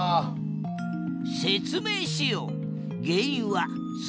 説明しよう。